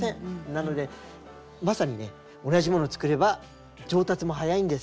なのでまさにね同じ物を作れば上達も早いんです。